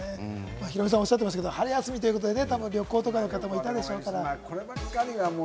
ヒロミさん、おっしゃってましただけど、春休みということで旅行とかの方もいたでしょうから。